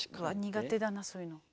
苦手だなそういうの。